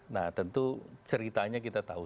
nah tentu ceritanya kita tahu